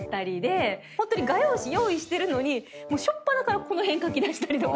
ホントに画用紙用意してるのに初っぱなからこの辺かきだしたりとか。